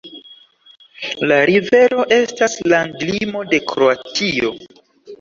La rivero estas landlimo de Kroatio.